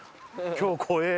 今日怖え！